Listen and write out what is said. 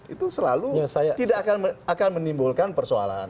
itu selalu tidak akan menimbulkan persoalan